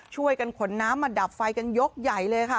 ช่วยกันขนน้ำมาดับไฟกันยกใหญ่เลยค่ะ